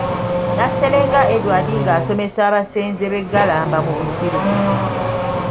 Naserenga Edward ng'asomesa abasenze b'e Galamba mu Busiro.